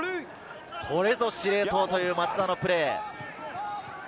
これぞ司令塔という松田のプレー。